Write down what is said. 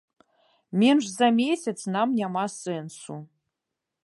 Менш за месяц нам няма сэнсу.